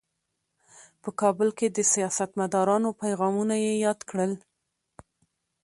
په کابل کې د سیاستمدارانو پیغامونه یې یاد کړل.